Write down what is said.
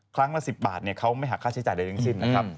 ครั้งละ๑๐บาทเขาไม่หักค่าใช้จ่ายใดทั้งสิ้นนะครับ